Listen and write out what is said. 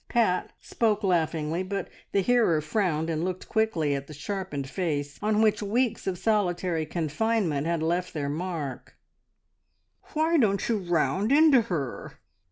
Pat spoke laughingly, but the hearer frowned, and looked quickly at the sharpened face, on which weeks of solitary confinement had left their mark. "Why don't you round into her?"